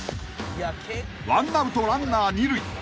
［１アウトランナー二塁